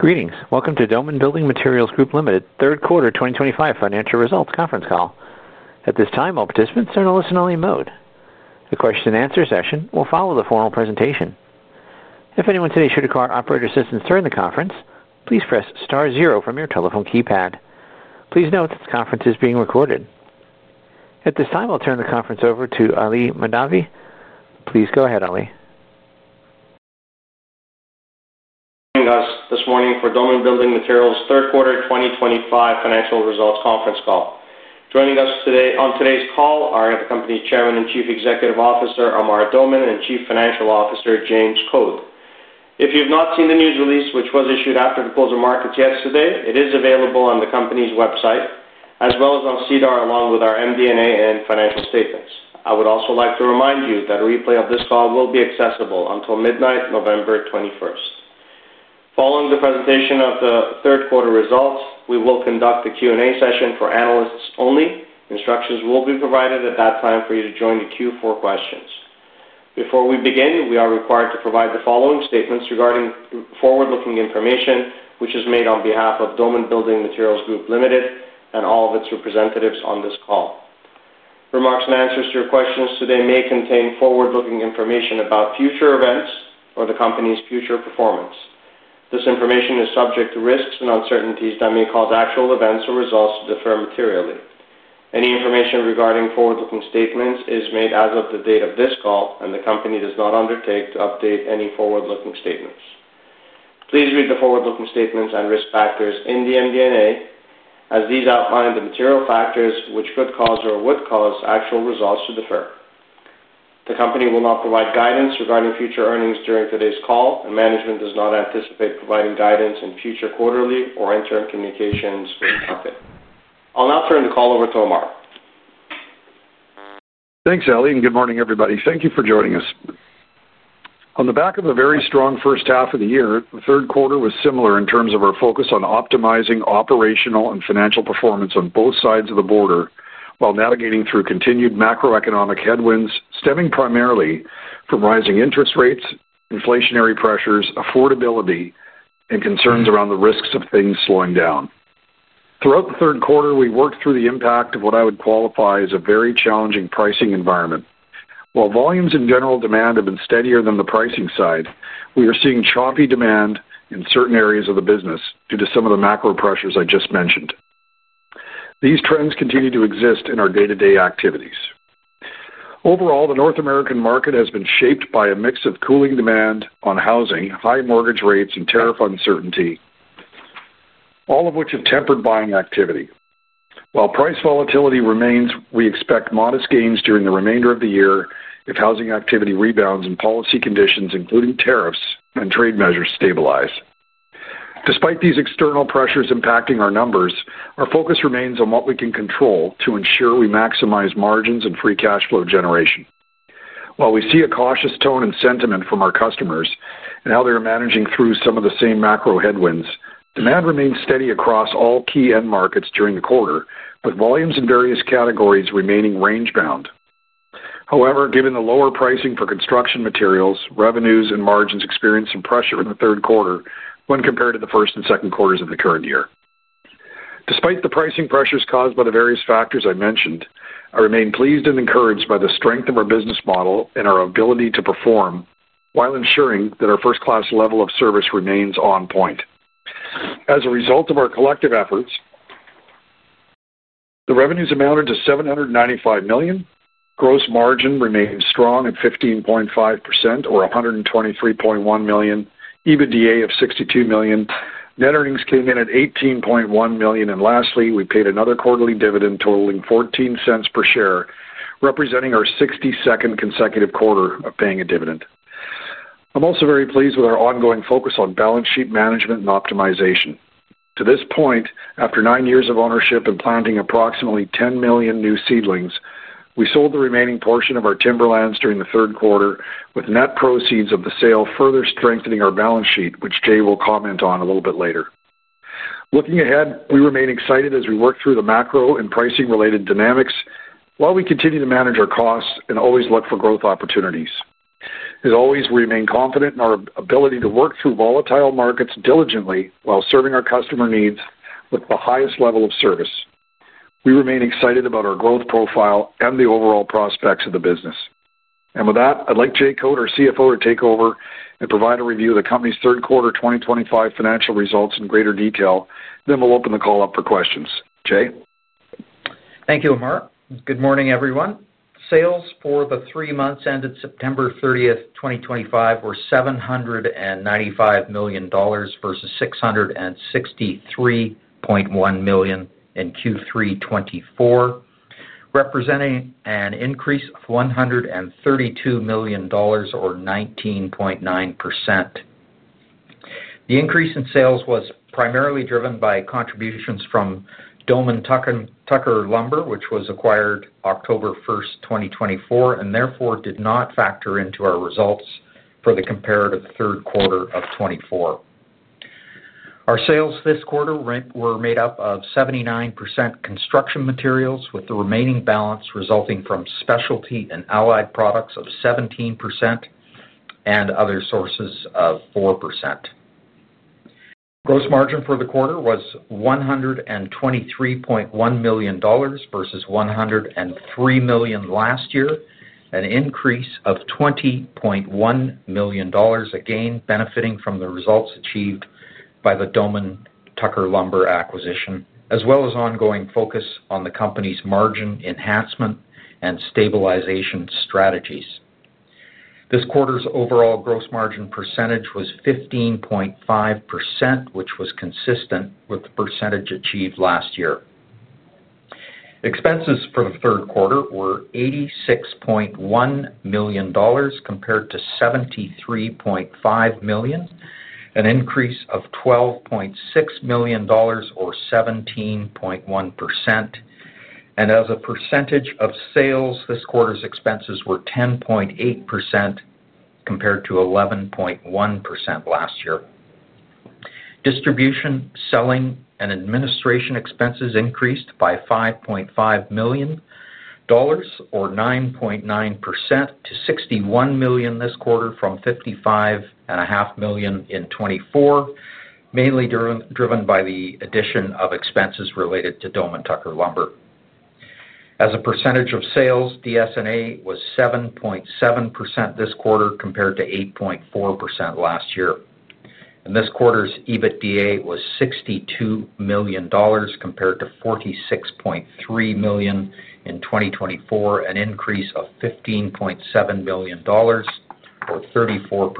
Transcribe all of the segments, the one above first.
Greetings. Welcome to Doman Building Materials Group Limited, Third Quarter 2025 Financial Results Conference Call. At this time, all participants are in a listen-only mode. The question-and-answer session will follow the formal presentation. If anyone today should require operator assistance during the conference, please press star zero from your telephone keypad. Please note that the conference is being recorded. At this time, I'll turn the conference over to Ali Mahdavi. Please go ahead, Ali. Joining us this morning for Doman Building Materials Third Quarter 2025 Financial Results Conference Call. Joining us today on today's call are the company's Chairman and Chief Executive Officer Amar Doman and Chief Financial Officer James Code. If you have not seen the news release, which was issued after the closing markets yesterday, it is available on the company's website as well as on SEDAR, along with our MD&A and financial statements. I would also like to remind you that a replay of this call will be accessible until midnight, November 21st. Following the presentation of the Third Quarter results, we will conduct a Q&A session for analysts only. Instructions will be provided at that time for you to join the queue for questions. Before we begin, we are required to provide the following statements regarding forward-looking information, which is made on behalf of Doman Building Materials Group Limited and all of its representatives on this call. Remarks and answers to your questions today may contain forward-looking information about future events or the company's future performance. This information is subject to risks and uncertainties that may cause actual events or results to differ materially. Any information regarding forward-looking statements is made as of the date of this call, and the company does not undertake to update any forward-looking statements. Please read the forward-looking statements and risk factors in the MD&A, as these outline the material factors which could cause or would cause actual results to differ. The company will not provide guidance regarding future earnings during today's call, and management does not anticipate providing guidance in future quarterly or interim communications with the company. I'll now turn the call over to Amar. Thanks, Ali, and good morning, everybody. Thank you for joining us. On the back of a very strong first half of the year, the third quarter was similar in terms of our focus on optimizing operational and financial performance on both sides of the border while navigating through continued macroeconomic headwinds stemming primarily from rising interest rates, inflationary pressures, affordability, and concerns around the risks of things slowing down. Throughout the third quarter, we worked through the impact of what I would qualify as a very challenging pricing environment. While volumes and general demand have been steadier than the pricing side, we are seeing choppy demand in certain areas of the business due to some of the macro pressures I just mentioned. These trends continue to exist in our day-to-day activities. Overall, the North American market has been shaped by a mix of cooling demand on housing, high mortgage rates, and tariff uncertainty, all of which have tempered buying activity. While price volatility remains, we expect modest gains during the remainder of the year if housing activity rebounds and policy conditions, including tariffs and trade measures, stabilize. Despite these external pressures impacting our numbers, our focus remains on what we can control to ensure we maximize margins and free cash flow generation. While we see a cautious tone and sentiment from our customers and how they are managing through some of the same macro headwinds, demand remains steady across all key end markets during the quarter, with volumes in various categories remaining range-bound. However, given the lower pricing for construction materials, revenues and margins experienced some pressure in the third quarter when compared to the first and second quarters of the current year. Despite the pricing pressures caused by the various factors I mentioned, I remain pleased and encouraged by the strength of our business model and our ability to perform while ensuring that our first-class level of service remains on point. As a result of our collective efforts, the revenues amounted to 795 million. Gross margin remained strong at 15.5% or 123.1 million, EBITDA of 62 million. Net earnings came in at 18.1 million, and lastly, we paid another quarterly dividend totaling 0.14 per share, representing our 62nd consecutive quarter of paying a dividend. I'm also very pleased with our ongoing focus on balance sheet management and optimization. To this point, after nine years of ownership and planting approximately 10 million new seedlings, we sold the remaining portion of our timberlands during the third quarter, with net proceeds of the sale further strengthening our balance sheet, which Jay will comment on a little bit later. Looking ahead, we remain excited as we work through the macro and pricing-related dynamics while we continue to manage our costs and always look for growth opportunities. As always, we remain confident in our ability to work through volatile markets diligently while serving our customer needs with the highest level of service. We remain excited about our growth profile and the overall prospects of the business. With that, I'd like Jay Code, our CFO, to take over and provide a review of the company's third quarter 2025 financial results in greater detail. We will open the call up for questions. Jay? Thank you, Amar. Good morning, everyone. Sales for the three months ended September 30th, 2025, were 795 million dollars versus 663.1 million in Q3 2024, representing an increase of 132 million dollars or 19.9%. The increase in sales was primarily driven by contributions from Doman Tucker Lumber, which was acquired October 1st, 2024, and therefore did not factor into our results for the comparative third quarter of 2024. Our sales this quarter were made up of 79% construction materials, with the remaining balance resulting from specialty and allied products of 17% and other sources of 4%. Gross margin for the quarter was 123.1 million dollars versus 103 million last year, an increase of 20.1 million dollars again benefiting from the results achieved by the Doman Tucker Lumber acquisition, as well as ongoing focus on the company's margin enhancement and stabilization strategies. This quarter's overall gross margin percentage was 15.5%, which was consistent with the percentage achieved last year. Expenses for the third quarter were 86.1 million dollars compared to 73.5 million, an increase of 12.6 million dollars or 17.1%. As a percentage of sales, this quarter's expenses were 10.8% compared to 11.1% last year. Distribution, selling, and administration expenses increased by 5.5 million dollars or 9.9% to 61 million this quarter from 55.5 million in 2024, mainly driven by the addition of expenses related to Doman Tucker Lumber. As a percentage of sales, DS&A was 7.7% this quarter compared to 8.4% last year. This quarter's EBITDA was 62 million dollars compared to 46.3 million in 2024, an increase of 15.7 million dollars or 34%.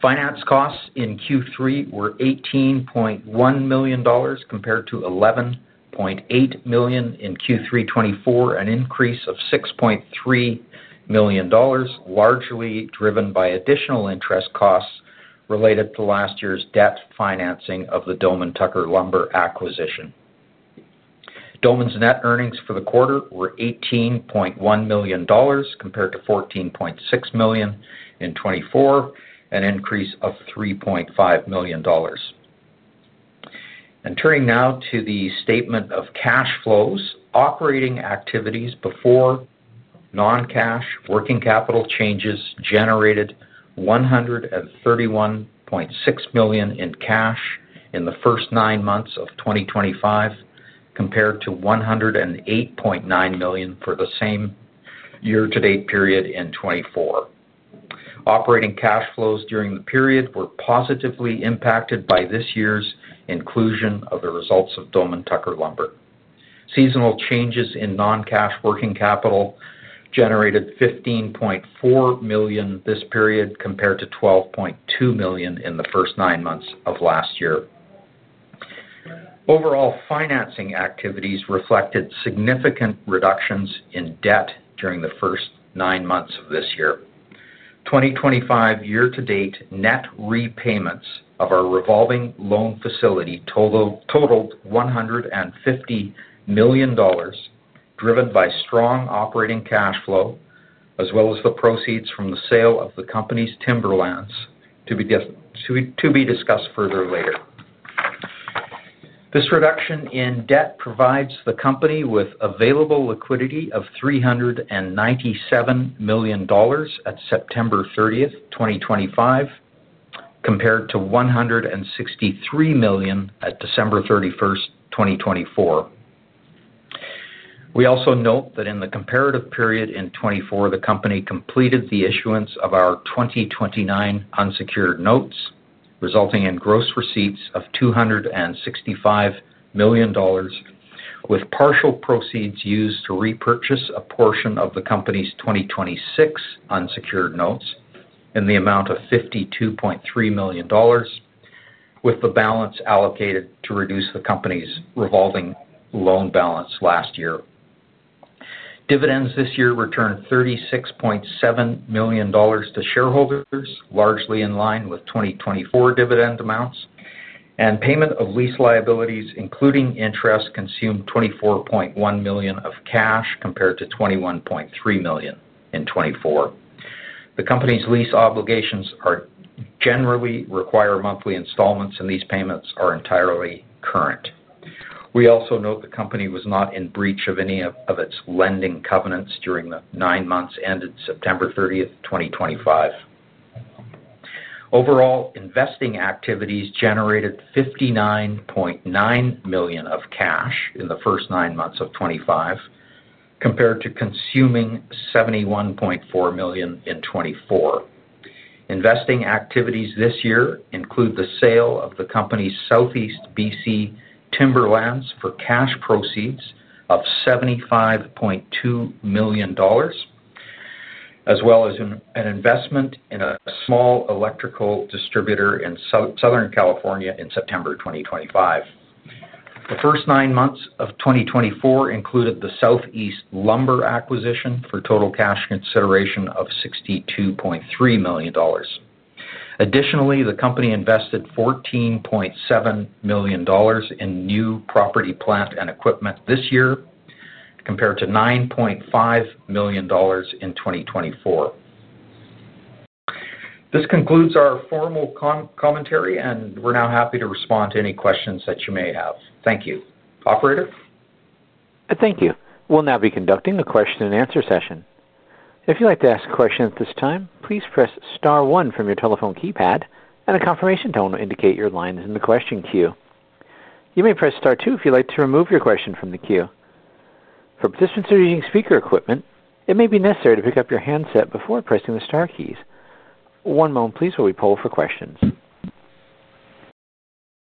Finance costs in Q3 were 18.1 million dollars compared to 11.8 million in Q3 2024, an increase of 6.3 million dollars, largely driven by additional interest costs related to last year's debt financing of the Doman Tucker Lumber acquisition. Doman's net earnings for the quarter were 18.1 million dollars compared to 14.6 million in 2024, an increase of 3.5 million dollars. Turning now to the statement of cash flows, operating activities before non-cash working capital changes generated 131.6 million in cash in the first nine months of 2025 compared to 108.9 million for the same year-to-date period in 2024. Operating cash flows during the period were positively impacted by this year's inclusion of the results of Doman Tucker Lumber. Seasonal changes in non-cash working capital generated 15.4 million this period compared to 12.2 million in the first nine months of last year. Overall financing activities reflected significant reductions in debt during the first nine months of this year. 2025 year-to-date net repayments of our revolving loan facility totaled 150 million dollars, driven by strong operating cash flow, as well as the proceeds from the sale of the company's timberlands to be discussed further later. This reduction in debt provides the company with available liquidity of 397 million dollars at September 30th, 2025, compared to 163 million at December 31st, 2024. We also note that in the comparative period in 2024, the company completed the issuance of our 2029 unsecured notes, resulting in gross receipts of 265 million dollars, with partial proceeds used to repurchase a portion of the company's 2026 unsecured notes in the amount of 52.3 million dollars, with the balance allocated to reduce the company's revolving loan balance last year. Dividends this year returned 36.7 million dollars to shareholders, largely in line with 2024 dividend amounts, and payment of lease liabilities, including interest, consumed 24.1 million of cash compared to 21.3 million in 2024. The company's lease obligations generally require monthly installments, and these payments are entirely current. We also note the company was not in breach of any of its lending covenants during the nine months ended September 30th, 2025. Overall, investing activities generated 59.9 million of cash in the first nine months of 2025, compared to consuming 71.4 million in 2024. Investing activities this year include the sale of the company's Southeast BC timberlands for cash proceeds of 75.2 million dollars, as well as an investment in a small electrical distributor in Southern California in September 2025. The first nine months of 2024 included the Southeast Lumber acquisition for total cash consideration of 62.3 million dollars. Additionally, the company invested 14.7 million dollars in new property, plant, and equipment this year, compared to 9.5 million dollars in 2024. This concludes our formal commentary, and we're now happy to respond to any questions that you may have. Thank you. Operator? Thank you. We'll now be conducting the question-and-answer session. If you'd like to ask a question at this time, please press star one from your telephone keypad, and a confirmation tone will indicate your line is in the question queue. You may press star two if you'd like to remove your question from the queue. For participants who are using speaker equipment, it may be necessary to pick up your handset before pressing the star keys. One moment, please, while we poll for questions.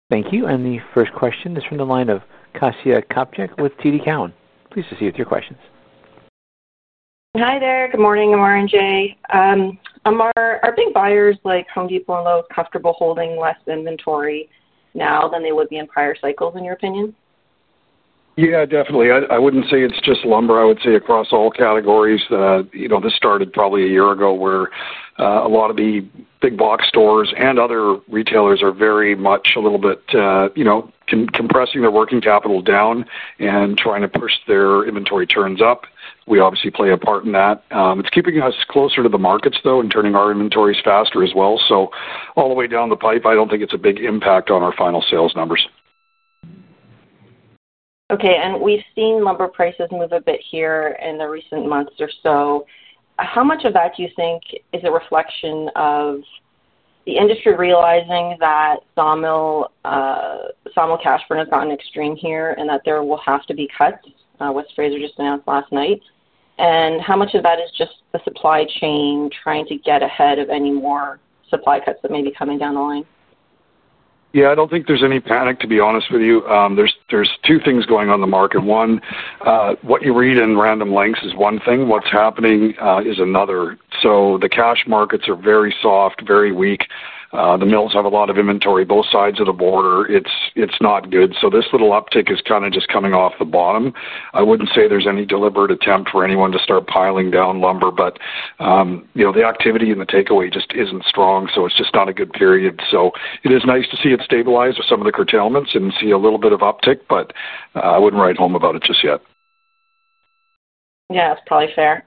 Thank you. The first question is from the line of Kasia Kopytek with TD Cowen. Please proceed with your questions. Hi there. Good morning. Amar and Jay. Amar, are big buyers like Home Depot and Lowe's comfortable holding less inventory now than they would be in prior cycles, in your opinion? Yeah, definitely. I would not say it is just lumber. I would say across all categories, this started probably a year ago where a lot of the big box stores and other retailers are very much a little bit compressing their working capital down and trying to push their inventory turns up. We obviously play a part in that. It is keeping us closer to the markets, though, and turning our inventories faster as well. All the way down the pipe, I do not think it is a big impact on our final sales numbers. Okay. We've seen lumber prices move a bit here in the recent months or so. How much of that do you think is a reflection of the industry realizing that sawmill cash burn has gotten extreme here and that there will have to be cuts, what West Fraser just announced last night? How much of that is just the supply chain trying to get ahead of any more supply cuts that may be coming down the line? Yeah, I do not think there is any panic, to be honest with you. There are two things going on in the market. One, what you read in Random Lengths is one thing. What is happening is another. The cash markets are very soft, very weak. The mills have a lot of inventory both sides of the border. It is not good. This little uptick is kind of just coming off the bottom. I would not say there is any deliberate attempt for anyone to start piling down lumber, but the activity and the takeaway just is not strong, so it is just not a good period. It is nice to see it stabilize with some of the curtailments and see a little bit of uptick, but I would not write home about it just yet. Yeah, that's probably fair.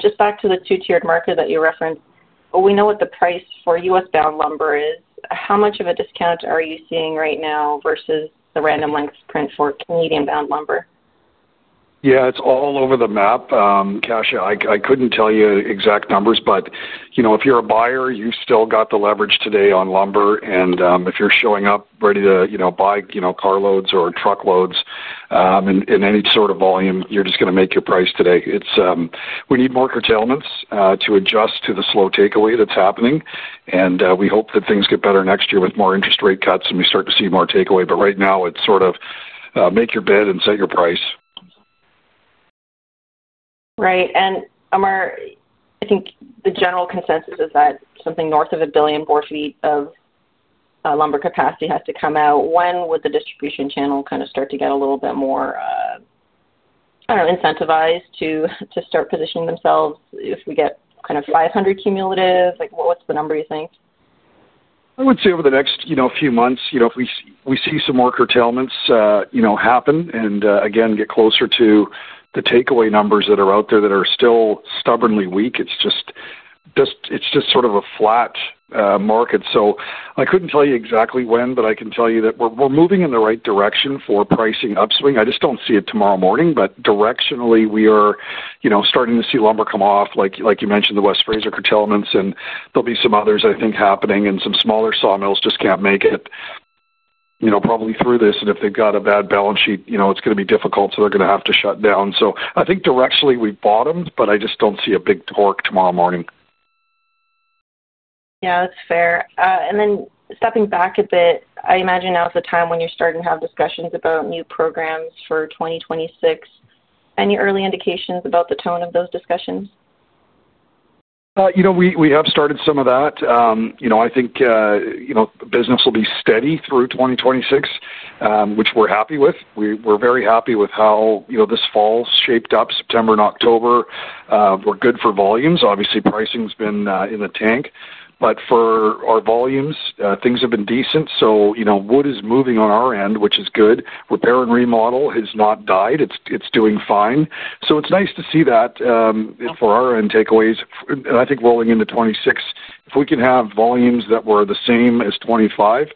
Just back to the two-tiered market that you referenced, we know what the price for U.S. bound lumber is. How much of a discount are you seeing right now versus the Random Lengths print for Canadian bound lumber? Yeah, it's all over the map. Kasia, I couldn't tell you exact numbers, but if you're a buyer, you've still got the leverage today on lumber. If you're showing up ready to buy car loads or truck loads in any sort of volume, you're just going to make your price today. We need more curtailments to adjust to the slow takeaway that's happening. We hope that things get better next year with more interest rate cuts and we start to see more takeaway. Right now, it's sort of make your bid and set your price. Right. Amar, I think the general consensus is that something north of a billion board feet of lumber capacity has to come out. When would the distribution channel kind of start to get a little bit more, I do not know, incentivized to start positioning themselves if we get kind of 500 cumulative? What is the number you think? I would say over the next few months, if we see some more curtailments happen and, again, get closer to the takeaway numbers that are out there that are still stubbornly weak, it's just sort of a flat market. I couldn't tell you exactly when, but I can tell you that we're moving in the right direction for pricing upswing. I just don't see it tomorrow morning, but directionally, we are starting to see lumber come off. Like you mentioned, the West Fraser curtailments, and there will be some others, I think, happening, and some smaller sawmills just can't make it probably through this. If they've got a bad balance sheet, it's going to be difficult, so they're going to have to shut down. I think directionally, we've bottomed, but I just don't see a big torque tomorrow morning. Yeah, that's fair. Stepping back a bit, I imagine now is the time when you're starting to have discussions about new programs for 2026. Any early indications about the tone of those discussions? We have started some of that. I think business will be steady through 2026, which we're happy with. We're very happy with how this fall shaped up. September and October were good for volumes. Obviously, pricing has been in the tank. For our volumes, things have been decent. Wood is moving on our end, which is good. Repair and remodel has not died. It's doing fine. It's nice to see that for our end takeaways. I think rolling into 2026, if we can have volumes that were the same as 2025,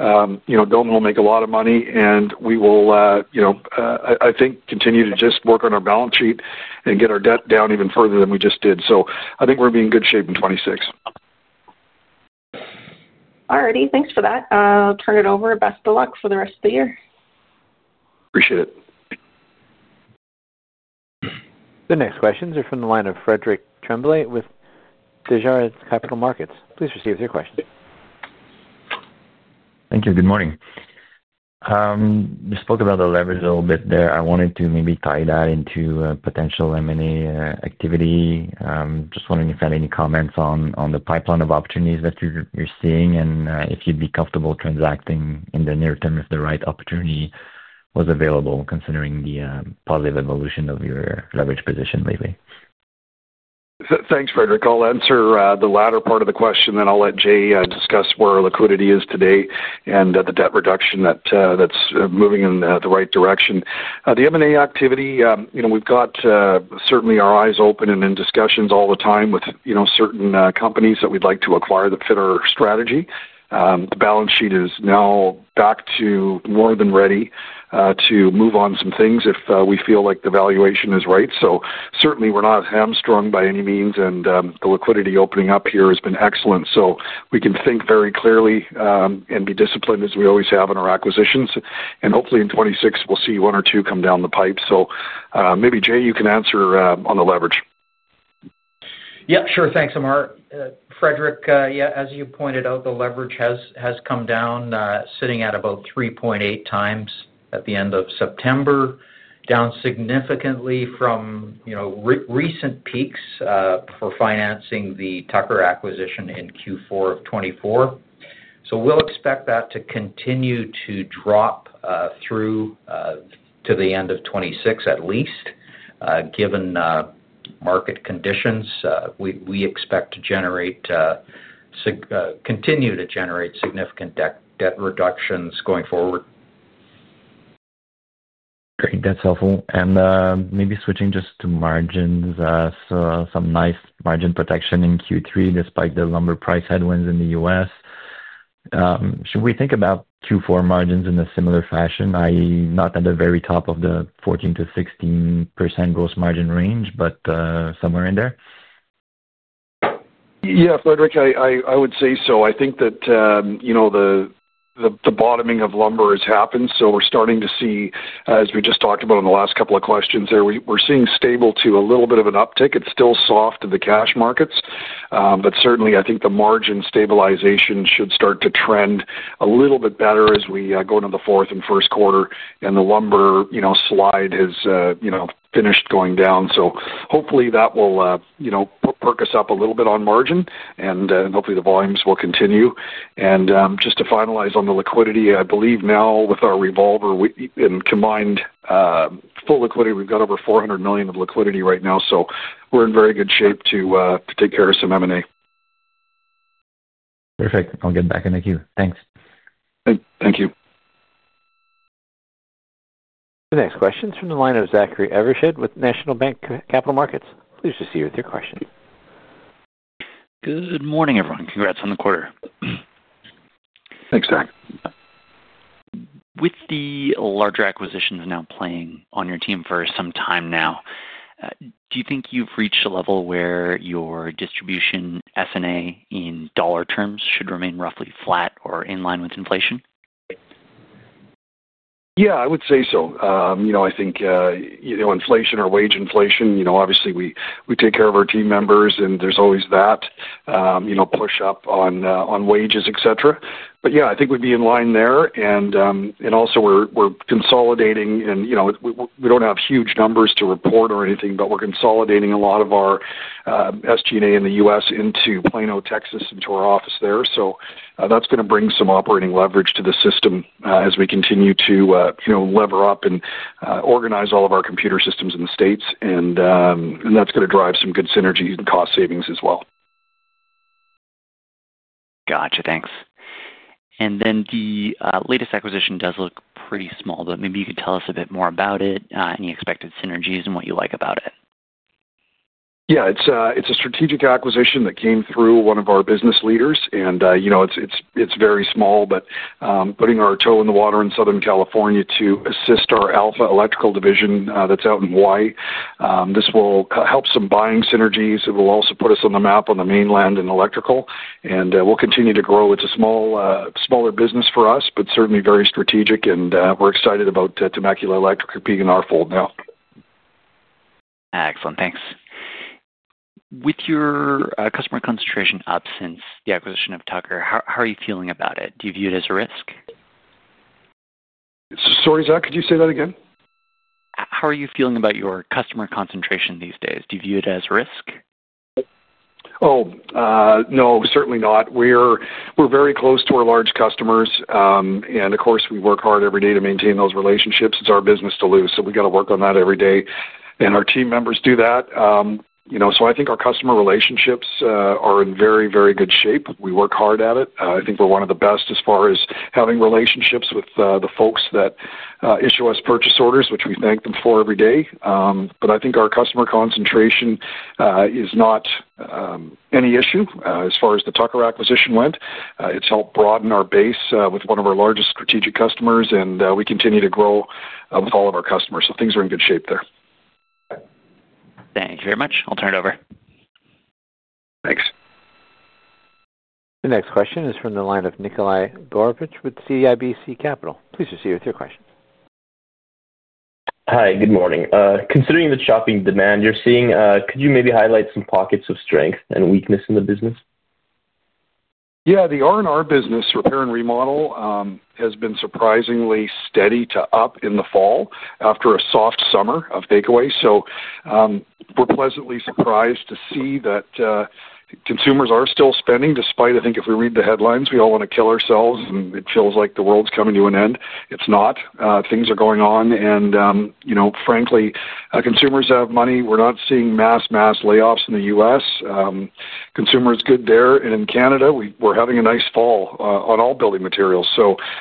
Doman will make a lot of money, and we will, I think, continue to just work on our balance sheet and get our debt down even further than we just did. I think we're going to be in good shape in 2026. All righty. Thanks for that. I'll turn it over. Best of luck for the rest of the year. Appreciate it. The next questions are from the line of Frederick Tremblay with Desjardins Capital Markets. Please proceed with your questions. Thank you. Good morning. You spoke about the leverage a little bit there. I wanted to maybe tie that into potential M&A activity. Just wondering if you had any comments on the pipeline of opportunities that you're seeing and if you'd be comfortable transacting in the near term if the right opportunity was available, considering the positive evolution of your leverage position lately. Thanks, Frederick. I'll answer the latter part of the question, then I'll let Jay discuss where liquidity is today and the debt reduction that's moving in the right direction. The M&A activity, we've got certainly our eyes open and in discussions all the time with certain companies that we'd like to acquire that fit our strategy. The balance sheet is now back to more than ready to move on some things if we feel like the valuation is right. Certainly, we're not hamstrung by any means, and the liquidity opening up here has been excellent. We can think very clearly and be disciplined, as we always have in our acquisitions. Hopefully, in 2026, we'll see one or two come down the pipe. Maybe, Jay, you can answer on the leverage. Yeah, sure. Thanks, Amar. Frederick, yeah, as you pointed out, the leverage has come down, sitting at about 3.8x at the end of September, down significantly from recent peaks for financing the Tucker acquisition in Q4 of 2024. We will expect that to continue to drop through to the end of 2026 at least, given market conditions. We expect to continue to generate significant debt reductions going forward. Great. That's helpful. Maybe switching just to margins, some nice margin protection in Q3 despite the lumber price headwinds in the U.S. Should we think about Q4 margins in a similar fashion, i.e., not at the very top of the 14%-16% gross margin range, but somewhere in there? Yeah, Frederick, I would say so. I think that the bottoming of lumber has happened. We're starting to see, as we just talked about in the last couple of questions there, we're seeing stable to a little bit of an uptick. It's still soft in the cash markets, but certainly, I think the margin stabilization should start to trend a little bit better as we go into the fourth and first quarter, and the Lumber slide has finished going down. Hopefully, that will perk us up a little bit on margin, and hopefully, the volumes will continue. Just to finalize on the liquidity, I believe now with our revolver and combined full liquidity, we've got over 400 million of liquidity right now. We're in very good shape to take care of some M&A. Perfect. I'll get back in the queue. Thanks. Thank you. The next question is from the line of Zachary Evershed with National Bank Capital Markets. Please proceed with your question. Good morning, everyone. Congrats on the quarter. Thanks, Zach. With the larger acquisitions now playing on your team for some time now, do you think you've reached a level where your distribution S&A in dollar terms should remain roughly flat or in line with inflation? Yeah, I would say so. I think inflation or wage inflation, obviously, we take care of our team members, and there's always that push up on wages, et cetera. Yeah, I think we'd be in line there. Also, we're consolidating, and we don't have huge numbers to report or anything, but we're consolidating a lot of our SG&A in the U.S. into Plano, Texas, into our office there. That's going to bring some operating leverage to the system as we continue to lever up and organize all of our computer systems in the States. That's going to drive some good synergies and cost savings as well. Gotcha. Thanks. The latest acquisition does look pretty small, but maybe you could tell us a bit more about it, any expected synergies, and what you like about it. Yeah. It's a strategic acquisition that came through one of our business leaders, and it's very small, but putting our toe in the water in Southern California to assist our Alpha Electrical division that's out in Hawaii. This will help some buying synergies. It will also put us on the map on the mainland in electrical, and we'll continue to grow. It's a smaller business for us, but certainly very strategic, and we're excited about Temecula Electric being in our fold now. Excellent. Thanks. With your customer concentration up since the acquisition of Tucker, how are you feeling about it? Do you view it as a risk? Sorry, Zach, could you say that again? How are you feeling about your customer concentration these days? Do you view it as a risk? Oh, no, certainly not. We're very close to our large customers, and of course, we work hard every day to maintain those relationships. It's our business to lose, so we've got to work on that every day. Our team members do that. I think our customer relationships are in very, very good shape. We work hard at it. I think we're one of the best as far as having relationships with the folks that issue us purchase orders, which we thank them for every day. I think our customer concentration is not any issue as far as the Tucker acquisition went. It's helped broaden our base with one of our largest strategic customers, and we continue to grow with all of our customers. Things are in good shape there. Thank you very much. I'll turn it over. Thanks. The next question is from the line of Nikolai Goroupitch with CIBC Capital. Please proceed with your question. Hi, good morning. Considering the shopping demand you're seeing, could you maybe highlight some pockets of strength and weakness in the business? Yeah. The R&R business, repair and remodel, has been surprisingly steady to up in the fall after a soft summer of takeaways. We are pleasantly surprised to see that consumers are still spending despite, I think, if we read the headlines, we all want to kill ourselves, and it feels like the world's coming to an end. It is not. Things are going on. Frankly, consumers have money. We are not seeing mass, mass layoffs in the U.S. Consumer is good there. In Canada, we are having a nice fall on all building materials.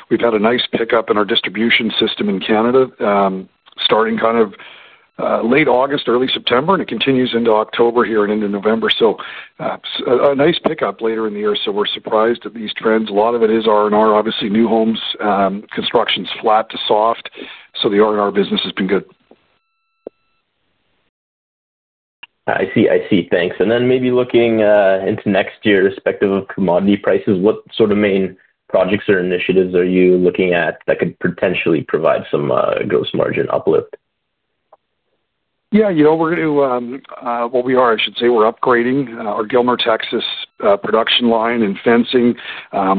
We have had a nice pickup in our distribution system in Canada starting kind of late August, early September, and it continues into October here and into November. A nice pickup later in the year. We are surprised at these trends. A lot of it is R&R, obviously. New homes, construction is flat to soft. The R&R business has been good. I see. I see. Thanks. Maybe looking into next year's perspective of commodity prices, what sort of main projects or initiatives are you looking at that could potentially provide some gross margin uplift? Yeah. We're going to—well, we are, I should say. We're upgrading our Gilmer, Texas production line in fencing.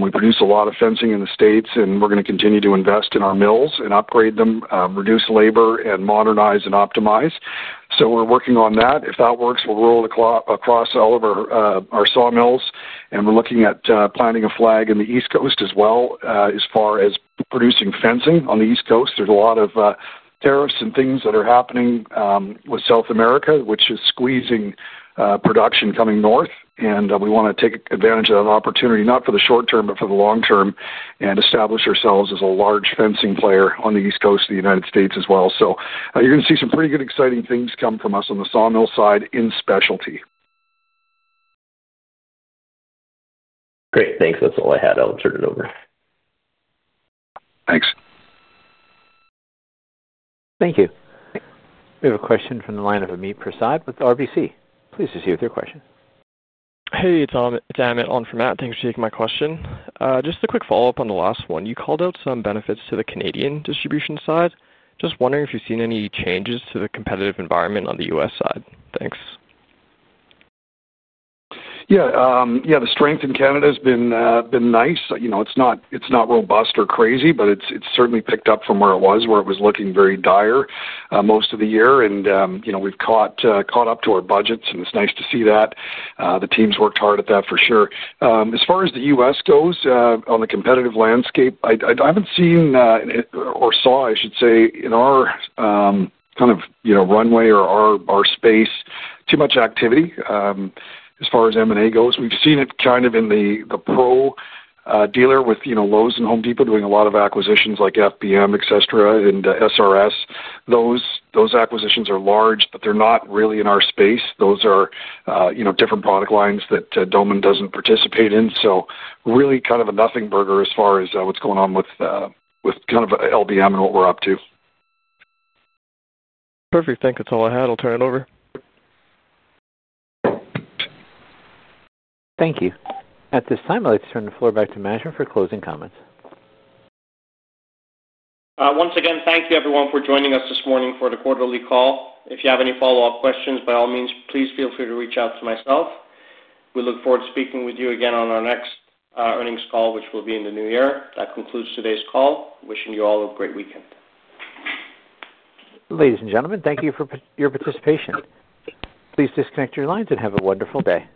We produce a lot of fencing in the States, and we're going to continue to invest in our mills and upgrade them, reduce labor, and modernize and optimize. We're working on that. If that works, we'll roll across all of our sawmills. We're looking at planting a flag in the East Coast as well as far as producing fencing on the East Coast. There's a lot of tariffs and things that are happening with South America, which is squeezing production coming north. We want to take advantage of that opportunity, not for the short term, but for the long term, and establish ourselves as a large fencing player on the East Coast of the United States as well. You're going to see some pretty good, exciting things come from us on the sawmill side in specialty. Great. Thanks. That's all I had. I'll turn it over. Thanks. Thank you. We have a question from the line of Amit Prasad with RBC. Please proceed with your question. Hey, it's Amit on for Matt. Thanks for taking my question. Just a quick follow-up on the last one. You called out some benefits to the Canadian distribution side. Just wondering if you've seen any changes to the competitive environment on the U.S. side. Thanks. Yeah. Yeah. The strength in Canada has been nice. It's not robust or crazy, but it's certainly picked up from where it was, where it was looking very dire most of the year. And we've caught up to our budgets, and it's nice to see that. The team's worked hard at that for sure. As far as the U.S. goes, on the competitive landscape, I haven't seen or saw, I should say, in our kind of runway or our space, too much activity as far as M&A goes. We've seen it kind of in the pro dealer with Lowe's and Home Depot doing a lot of acquisitions like FBM, et cetera, and SRS. Those acquisitions are large, but they're not really in our space. Those are different product lines that Doman doesn't participate in. Really kind of a nothing burger as far as what's going on with kind of LBM and what we're up to. Perfect. Thank you. That's all I had. I'll turn it over. Thank you. At this time, I'd like to turn the floor back to management for closing comments. Once again, thank you, everyone, for joining us this morning for the quarterly call. If you have any follow-up questions, by all means, please feel free to reach out to myself. We look forward to speaking with you again on our next earnings call, which will be in the new year. That concludes today's call. Wishing you all a great weekend. Ladies and gentlemen, thank you for your participation. Please disconnect your lines and have a wonderful day.